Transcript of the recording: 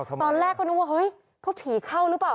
ตอนแรกก็นึกว่าเฮ้ยเขาผีเข้าหรือเปล่า